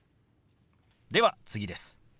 では次です。